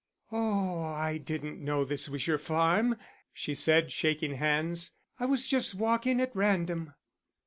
"Oh, I didn't know this was your farm," she said, shaking hands. "I was just walking at random."